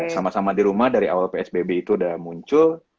sama sama di rumah dari awal psbb itu udah muncul